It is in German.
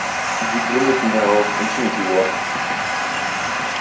Sie gründeten darauf Infinity Ward.